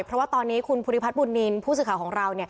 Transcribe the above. เพราะว่าตอนนี้คุณภูริพัฒนบุญนินทร์ผู้สื่อข่าวของเรา